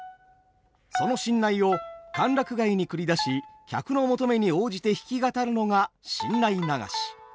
その新内を歓楽街に繰り出し客の求めに応じて弾き語るのが新内流し。